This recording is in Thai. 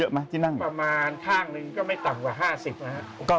หนังตลกก็ไม่หัวร้อยประมาณข้างหนึ่งก็ไม่ต่ำกว่า๕๐นะครับ